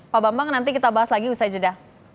pak bambang nanti kita bahas lagi usai jeda